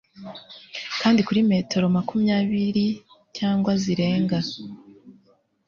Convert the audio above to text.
kandi kuri metero makumyabiri cyangwa zirenga